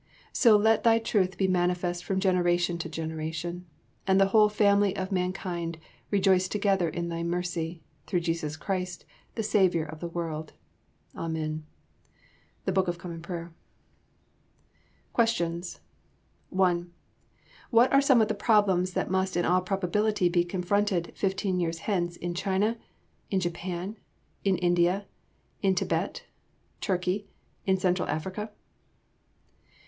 So let Thy truth be manifest from generation to generation, and the whole family of mankind rejoice together in Thy mercy, through Jesus Christ, the Saviour of the world. Amen. (The Book of Common Prayer.) QUESTIONS 1. What are some of the problems that must in all probability be confronted fifteen years hence in China? in Japan? in India? in Thibet? Turkey? in Central Africa?